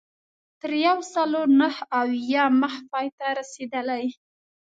تر یو سلو نهه اویا مخ پای ته رسېدلې.